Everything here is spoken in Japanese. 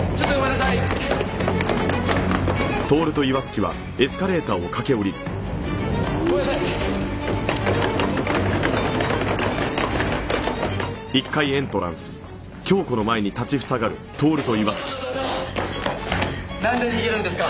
なんで逃げるんですか？